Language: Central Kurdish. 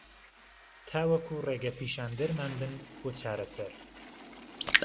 تاوهکوو رێگهپیشاندهرمان بن بۆ چارهسهر